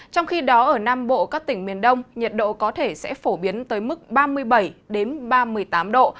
trong khi đó ở nam bộ các tỉnh miền đông nhiệt độ có thể sẽ phổ biến tới mức ba mươi bảy ba mươi tám độ